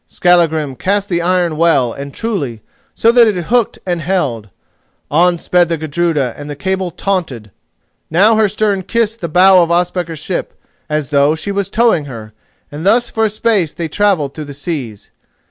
Skallagrim cast the iron well and truly, so that it hooked and held. On sped the Gudruda and the cable tautened—now her stern kissed the bow of Ospakar's ship, as though she was towing her, and thus for a space they travelled through the seas.